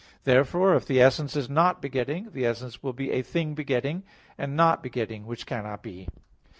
Therefore if the essence is not begetting, the essence will be "a thing begetting," and "not begetting": which cannot be.